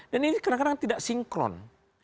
dan ini kadang kadang tidak sinkron